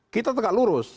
kita tegak lurus